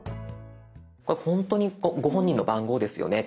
これ本当にご本人の番号ですよね。